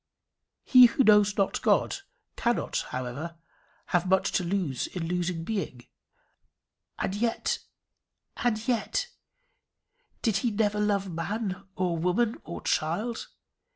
He who knows not God cannot, however, have much to lose in losing being. And yet and yet did he never love man or woman or child?